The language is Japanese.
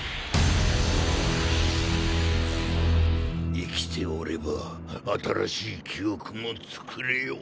生きておれば新しい記憶も作れよう。